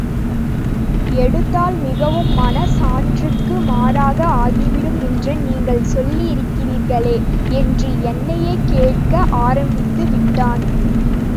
எடுத்தால் மிகவும் மனச் சான்றுக்கு மாறாக ஆகிவிடும் என்று நீங்கள் சொல்லியிருக்கிறீர்களே? என்று என்னையே கேட்க ஆரம்பித்து விட்டான்.